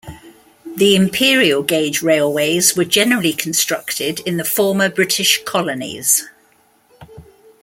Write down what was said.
The imperial gauge railways were generally constructed in the former British colonies.